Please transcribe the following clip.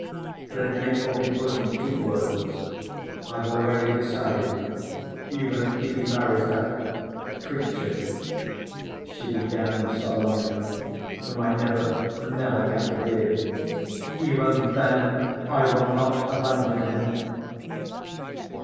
But it may all be put in two words. I've already decided, even if he marries that—creature," she began solemnly, "whom I never, never can forgive, even then I will not abandon him.